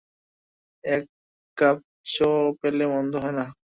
এক কাপ চ পেলে মন্দ হয় না।